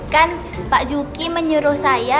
kan pak juki menyuruh saya